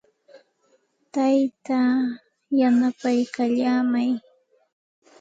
Taytaa yanapaykallaamay.